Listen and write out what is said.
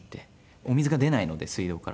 お水が出ないので水道から。